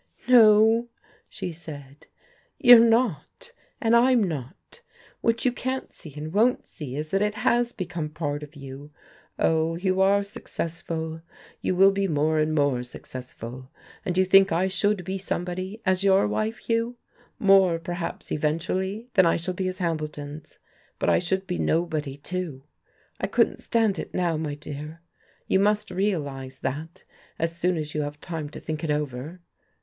"No," she said, "you're not, and I'm not. What you can't see and won't see is that it has become part of you. Oh, you are successful, you will be more and more successful. And you think I should be somebody, as your wife, Hugh, more perhaps, eventually, than I shall be as Hambleton's. But I should be nobody, too. I couldn't stand it now, my dear. You must realize that as soon as you have time to think it over.